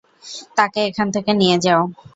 তাকে এখান থেকে নিয়ে যাও!